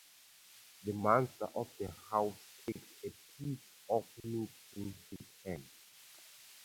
The master of the house takes a piece of meat in his hand.